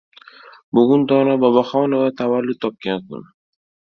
Bugun Dono Boboxonova tavallud topgan kun